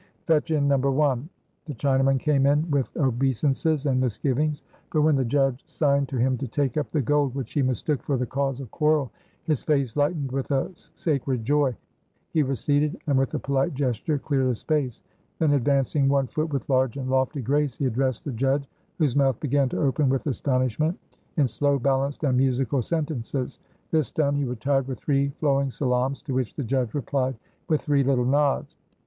"Fetch in number one!" The Chinaman came in with obeisances and misgivings; but when the judge signed to him to take up the gold, which he mistook for the cause of quarrel, his face lightened with a sacred joy he receded, and with a polite gesture cleared a space; then, advancing one foot with large and lofty grace, he addressed the judge, whose mouth began to open with astonishment, in slow, balanced and musical sentences. This done, he retired with three flowing salaams, to which the judge replied with three little nods.